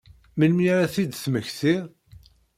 Melmi ara ad t-id-temmektiḍ?